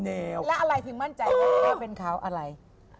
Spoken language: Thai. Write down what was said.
แล้วอะไรถึงมั่นใจได้ว่าเป็นเขาอะไร